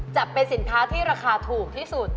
จะเป็นสินค้าที่ราคาถูกที่สุด